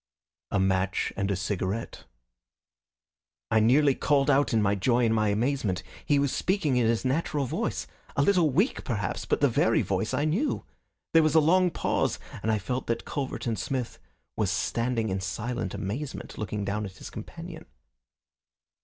"A match and a cigarette." I nearly called out in my joy and my amazement. He was speaking in his natural voice a little weak, perhaps, but the very voice I knew. There was a long pause, and I felt that Culverton Smith was standing in silent amazement looking down at his companion.